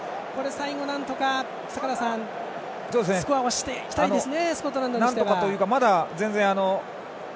最後、なんとか坂田さんスコアはしていきたいですね